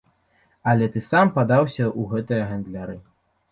Але ты сам падаўся ў гэтыя гандляры.